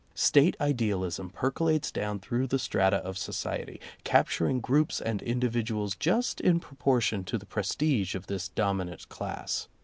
State idealism percolates down through the strata of society; capturing groups and in dividuals just in proportion to the prestige of this dominant class.